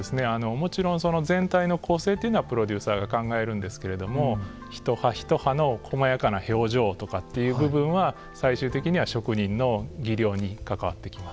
もちろん全体の構成というのはプロデューサーが考えるんですけれども一葉一葉の細やかな表情というのは最終的には職人の技量に関わってきます。